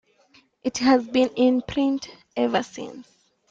It has been in print ever since.